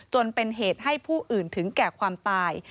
จนเป็นเหตุให้ผู้อื่นถึงแก่ความตาย